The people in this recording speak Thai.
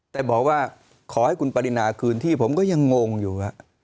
แต่บอกว่าขอให้คุณปรินาคืนที่ผมก็ยังงงอยู่